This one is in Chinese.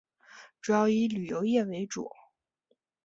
主要以旅游业为主。